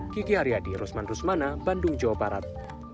kiki haryadi rosman rusmana bandung jawa barat